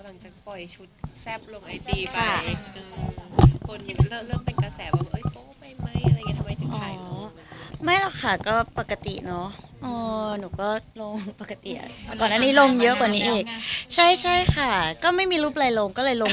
หลังจากปล่อยชุดแซ่บลงไอจีไปคือคนที่เริ่มเป็นกระแสแบบว่าโอ๊ยโป๊ะไปไหมอะไรอย่างงี้ทำไมถึงถ่ายลง